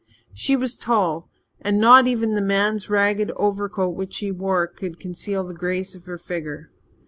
She was tall, and not even the man's ragged overcoat which she wore could conceal the grace of her figure.